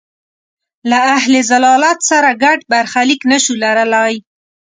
له اهل ضلالت سره ګډ برخلیک نه شو لرلای.